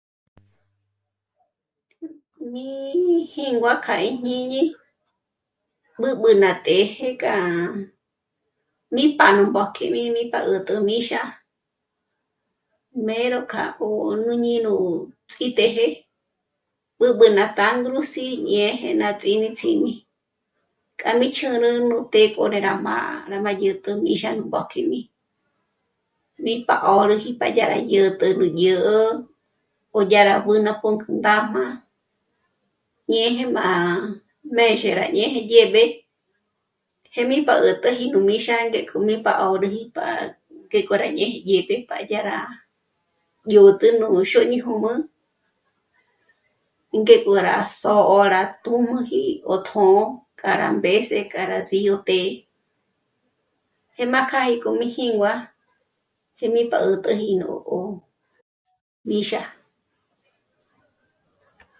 Mí jǐngua k'a íjñini büb'ü ná tëje k'a mí pájnú mbójkjimi pa mí'ä̀t'äji nú míxa, mê'eró k'a nú 'ónuji nú ts'ítë'ëje mbübü ná tándrúsí'ñe'e néhe ná ts'ímíts'ími k'a mí chū̀rü nú të'é pjòrá m'á'a dyä̀t'äji nú míxa nú mbójkjimi. Mí pá 'örü pa dyäri 'ä̀jt'ä nú jü'ü ódyàrá 'ü ná punk'ü ndájma ñeje má mézhe rá ñeje dyë'b'e. Jegí mbä'tägöji nú míxa mí pa 'orüji pa ngéko rá ñeje ñe'pje pa rá dyö't'e yó 'örü xóñi hùmü, ngéko rá sö'ö rá tujnüjio tjō'ō k'a rá mbés'e k'ará sídyo té'e. Jém'a k'â'a k'o míjingua'a jém'i pa ät'äji ó míxa